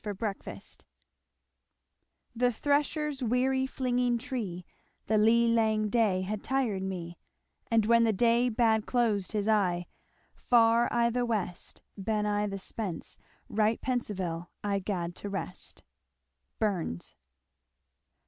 Chapter XVII The thresher's weary flingin tree The lee lang day had tired me: And whan the day bad closed his e'e, Far i' the west, Ben i' the spence, right pensivelie, I 'gaed to rest. Burns.